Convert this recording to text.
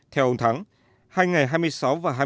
theo ông thắng hai ngày hai mươi sáu và hai mươi bốn tháng